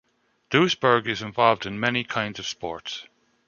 Duisburg is involved in many kinds of sports.